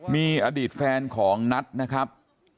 มีอดีตแฟนของนัทนะครับ